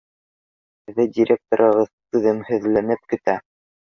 Һеҙҙе директорығыҙ түҙемһеҙләнеп көтә.